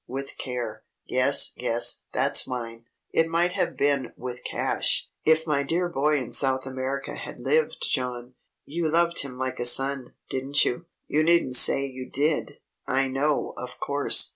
'With Care!' Yes, yes; that's mine. It might have been 'With Cash,' if my dear boy in South America had lived, John. You loved him like a son; didn't you? You needn't say you did. I know, of course."